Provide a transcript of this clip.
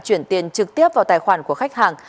chuyển tiền trực tiếp vào tài khoản của khách hàng